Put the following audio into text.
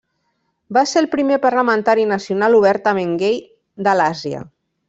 Va ser el primer parlamentari nacional obertament gai de l'Àsia.